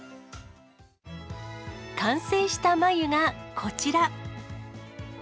完成した眉がこちら。